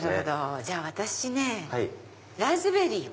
じゃあ私ねラズベリーを。